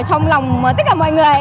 trong lòng tất cả mọi người